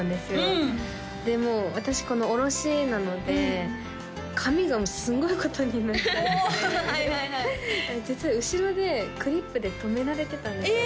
うんでもう私このおろしなので髪がもうすんごいことになっちゃって実は後ろでクリップで留められてたんですよ